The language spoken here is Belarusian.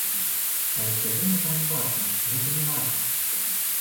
Але сябе мы там не бачым, гэта не наша.